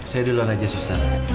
saya dulu aja sustananya